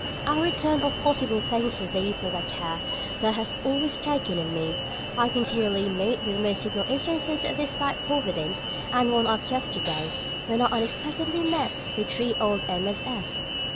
I return all possible thanks to Thee for the care Thou hast always taken of me. I continually meet with most signal instances of this Thy providence, and one act yesterday, when I unexpectedly met with three old MSS.